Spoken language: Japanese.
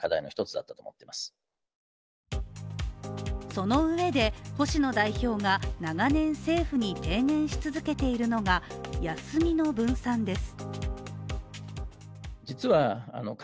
そのうえで、星野代表が長年政府に提言し続けているのが休みの分散です。